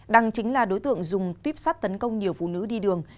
đăng chính là đối tượng dùng tuyếp sắt tấn công nhiều phụ nữ đi đường